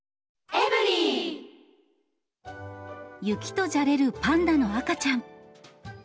雪とじゃれるパンダの赤ちゃん。